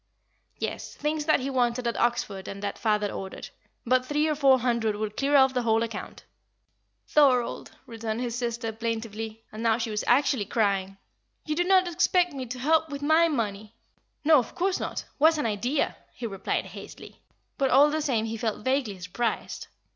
"Yes things that he wanted at Oxford and that father ordered; but three or four hundred will clear off the whole account." "Thorold," returned his sister, plaintively and now she was actually crying "you do not expect me to help with my money?" "No, of course not. What an idea!" he replied, hastily; but all the same he felt vaguely surprised.